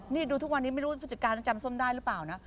นี่ดูทุกวันนี้ไม่รู้ผู้จัดการจำส้มได้หรือเปล่านะ